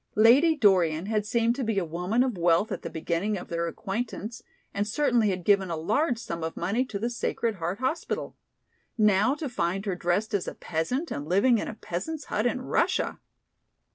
Lady Dorian had seemed to be a woman of wealth at the beginning of their acquaintance and certainly had given a large sum of money to the Sacred Heart Hospital. Now to find her dressed as a peasant and living in a peasant's hut in Russia!